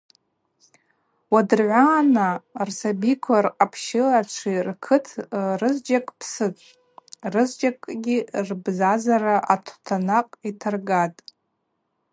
Уадыргӏвана рсабикви рхъапщылачви ркӏытӏ – рызджьакӏ псытӏ, рызджьакӏгьи рбзазара атутанакъ йтаргатӏ.